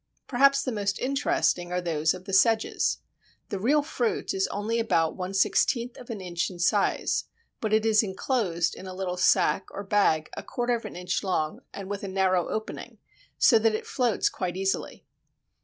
Perhaps the most interesting are those of the Sedges. The real fruit is only about one sixteenth of an inch in size, but it is enclosed in a little sack or bag a quarter of an inch long and with a narrow opening, so that it floats quite easily.